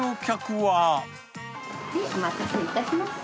はい、お待たせいたしました。